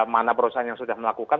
mana perusahaan yang sudah melakukan